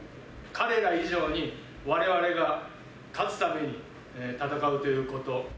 彼ら以上にわれわれが勝つために戦うということ。